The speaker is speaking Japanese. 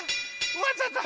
おわっちゃった。